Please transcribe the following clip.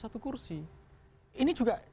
satu kursi ini juga